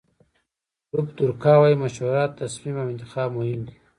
لوپ دورکا وایي مشوره، تصمیم او انتخاب مهم دي.